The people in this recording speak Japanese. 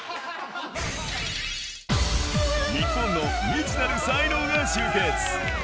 日本の未知なる才能が集結